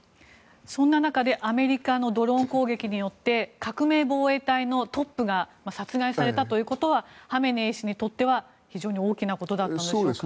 そんな中でアメリカのドローン攻撃によって革命防衛隊のトップが殺害されたことはハメネイ師にとっては非常に大きなことだったんでしょうか。